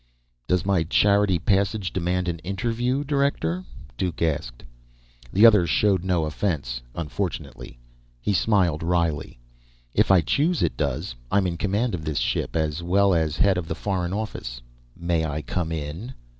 "Does my charity passage demand an interview, director?" Duke asked. The other showed no offense, unfortunately. He smiled wryly. "If I choose, it does. I'm in command of this ship, as well as head of the Foreign Office. May I come in?"